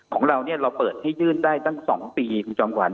ของเราเราเปิดให้ยื่นได้ตั้ง๒ปีคุณจอมขวัญ